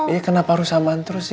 iya kenapa harus saman terus sih